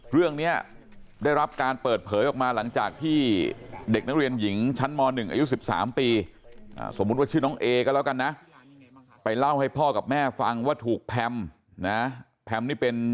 ก็แล้วกันนะไปเล่าให้พ่อกับแม่ฟังว่าถูกแพมนะแพมนี่เป็น